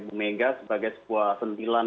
bu mega sebagai sebuah sentilan